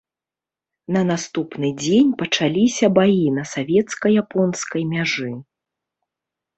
На наступны дзень пачаліся баі на савецка-японскай мяжы.